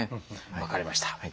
分かりました。